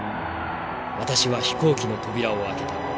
私は飛行機の扉を開けた。